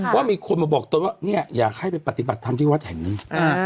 ว่ามีคนมาบอกตนว่าเนี่ยอยากให้ไปปฏิบัติธรรมที่วัดแห่งหนึ่ง